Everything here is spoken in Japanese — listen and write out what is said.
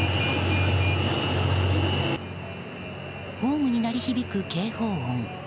ホームに鳴り響く警報音。